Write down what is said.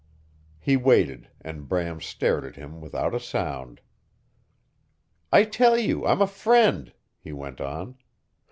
He waited, and Bram stared at him without a sound. "I tell you I'm a friend," he went on.